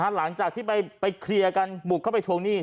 หลังจากที่ไปเคลียร์กันบุกเข้าไปทวงหนี้